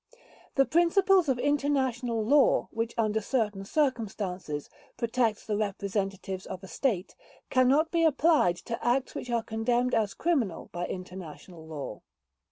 The principle of international law, which under certain circumstances, protects the representatives of a state, cannot be applied to acts which are condemned as criminal by international law.